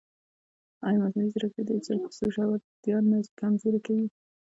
ایا مصنوعي ځیرکتیا د انساني کیسو ژورتیا نه کمزورې کوي؟